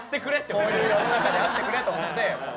こういう世の中であってくれと思って。